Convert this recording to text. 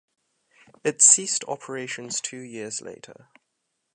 It ceased operations two years later.